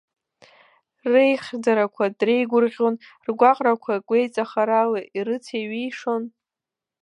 Реихьӡарақәа дреигәырӷьон, ргәаҟрақәа гәеиҵахарала ирыцеиҩишон.